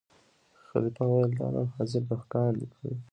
خلیفه ویل دا نن حاضر دهقان کړی